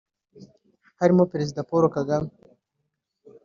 harimo Perezida Paul Kagame